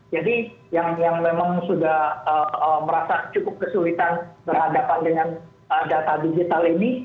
jadi yang memang sudah merasa cukup kesulitan berhadapan dengan data digital ini